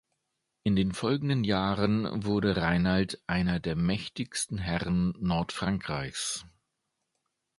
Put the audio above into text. In den folgenden Jahren wurde Rainald einer der mächtigsten Herren Nordfrankreichs.